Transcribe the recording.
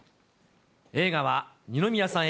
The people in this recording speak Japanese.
映画は、二宮さん